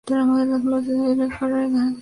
Los demás debían arrancar de cero.